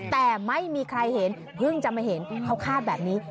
แต่ไม่มีใครเห็นเพิ่งจะมาเห็นเขาคาดแบบนี้